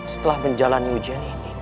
setelah menjalani ujian ini